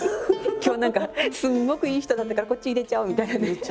「今日何かすごくいい人だったからこっち入れちゃおう」みたいなね。